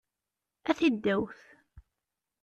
A tiddewt!